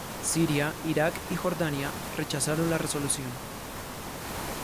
Siria, Irak y Jordania rechazaron la resolución.